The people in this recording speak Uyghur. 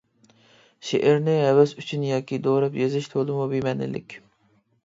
شېئىرنى ھەۋەس ئۈچۈن ياكى دوراپ يېزىش تولىمۇ بىمەنىلىك.